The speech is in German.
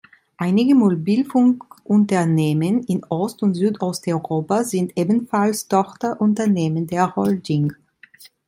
Einige Mobilfunkunternehmen in Ost- und Südosteuropa sind ebenfalls Tochterunternehmen der Holding.